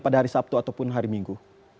pada hari sabtu ataupun hari minggu